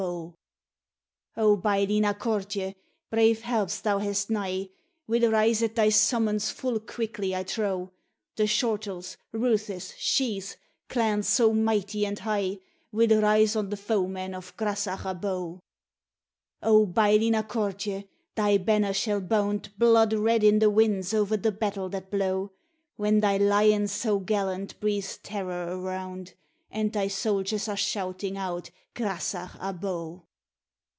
O, Baillie Na Cortie! brave helps thou hast nigh, Will rise at thy summons full quickly I trow; The Shortuls, Roothes, Shees, clans so mighty and high, Will rise on the foemen of Grasach Abo. O, Baillie Na Cortie! thy banner shall bound Blood red in the winds o'er the battle that blow; When thy lion so gallant breathes terror around, And thy soldiers are shouting out Grasach Abo.